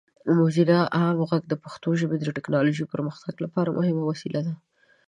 موزیلا عام غږ د پښتو ژبې د ټیکنالوجیکي پرمختګ لپاره مهمه وسیله ده.